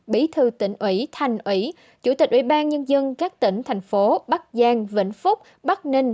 bí thư tỉnh ủy thành ủy chủ tịch ủy ban nhân dân các tỉnh thành phố bắc giang vĩnh phúc bắc ninh